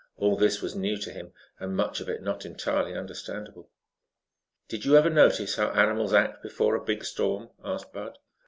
All this was new to him and much of it not entirely understandable. "Did you ever notice how animals act before a big storm?" asked Bud.